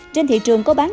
trên thị trường có bán